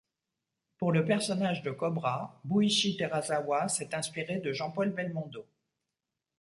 Pour le personnage de Cobra, Buichi Terasawa s'est inspiré de Jean-Paul Belmondo.